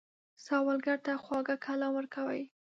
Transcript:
سوالګر ته خواږه کلام ورکوئ